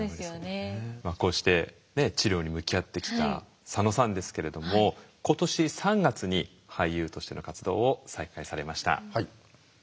こうして治療に向き合ってきた佐野さんですけれども今年３月に俳優としての活動を再開されました。